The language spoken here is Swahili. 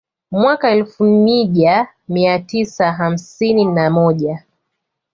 Mwaka elfu mija mia tisa hamsini na moja